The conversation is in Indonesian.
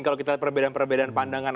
kalau kita lihat perbedaan perbedaan pandangan